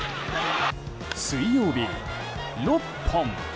水曜日、６本。